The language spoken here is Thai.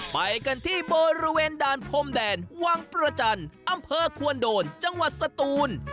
ไปกันที่บริเวณด่านพรมแดนวังประจันทร์อำเภอควนโดนจังหวัดสตูน